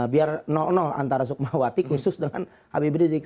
biar nol nol antara sukmawati khusus dengan habib rizieq